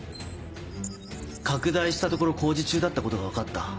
拡大したところ工事中だったことが分かった。